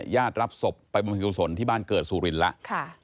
ญาติรับศพไปบำเพ็ญกุศลที่บ้านเกิดสูรินทร์แล้ว